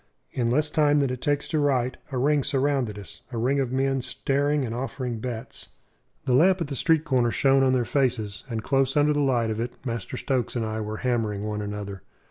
In less time than it takes to write, a ring surrounded us a ring of men staring and offering bets. The lamp at the street corner shone on their faces; and close under the light of it Master Stokes and I were hammering one another.